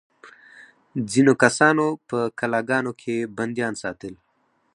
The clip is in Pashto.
ځینو کسانو په قلعه ګانو کې بندیان ساتل.